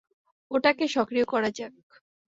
ওটাকে সক্রিয় করা যাক।